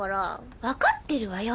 分かってるわよ